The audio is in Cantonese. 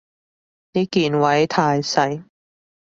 啲鍵位太細